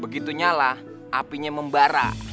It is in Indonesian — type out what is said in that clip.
begitunya lah apinya membara